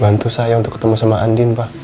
bantu saya untuk ketemu sama andin pak